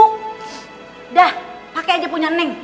udah pake aja punya neneng